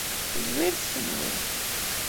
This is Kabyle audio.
Zwiret kenwi.